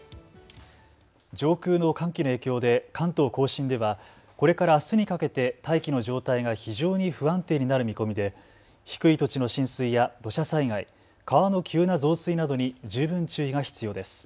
上空の寒気の影響で関東甲信ではこれからあすにかけて大気の状態が非常に不安定になる見込みで低い土地の浸水や土砂災害、川の急な増水などに十分注意が必要です。